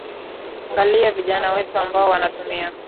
ngalie vijana wetu ambao wanatumia